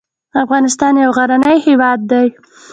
افغانستان يو غرنی هېواد دی